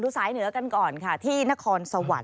สายเหนือกันก่อนค่ะที่นครสวรรค